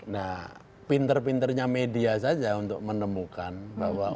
nah pinter pinternya media saja untuk menemukan bahwa